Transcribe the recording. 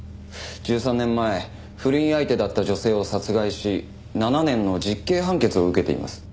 １３年前不倫相手だった女性を殺害し７年の実刑判決を受けています。